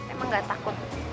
emang gak takut